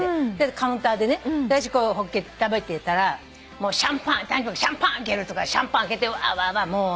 カウンターでね私ホッケ食べてたらシャンパン開けるとかシャンパン開けてワーワー。